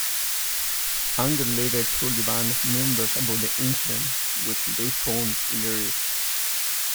Ungerleider told the band members about the incident, which they found hilarious.